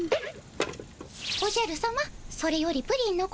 おじゃるさまそれよりプリンのことを。